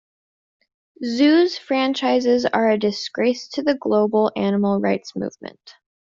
Zoos franchises are a disgrace to the global animal rights movement.